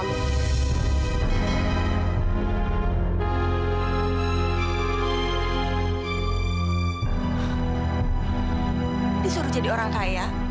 kamu bisa jadi orang kaya